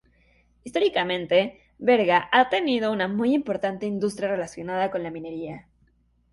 Históricamente, Berga ha tenido una muy importante industria relacionada con la minería.